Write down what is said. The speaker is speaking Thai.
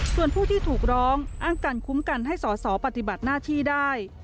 ส่วนผู้ที่ถูกร้องอ้างการคุ้มกันให้สอสอปฏิบัติหน้าที่ได้